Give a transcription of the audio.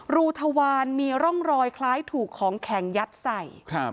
รูทวารมีร่องรอยคล้ายถูกของแข็งยัดใส่